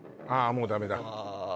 もうダメだああ